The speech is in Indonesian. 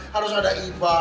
harus ada iba